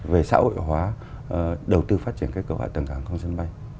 về xã hội hóa đầu tư phát triển cơ hội tầng hàng không sân bay